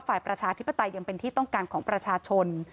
ประชาธิปไตยยังเป็นที่ต้องการของประชาชน